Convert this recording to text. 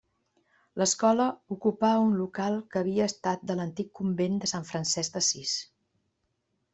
L'Escola ocupà un local que havia estat de l'antic Convent de Sant Francesc d'Assís.